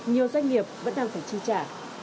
nhiều doanh nghiệp vẫn đang phải trì trả